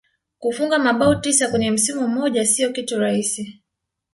kufunga mabao tisa kwenye msimu mmoja sio kitu rahisi